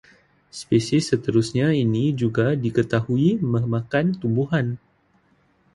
Spesies seterusnya ini juga diketahui memakan tumbuhan